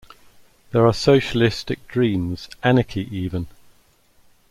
There are socialistic dreams — anarchy even!